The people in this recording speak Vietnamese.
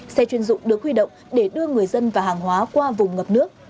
xe chuyên dụng được huy động để đưa người dân và hàng hóa qua vùng ngập nước